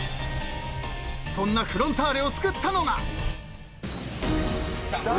［そんなフロンターレを救ったのが］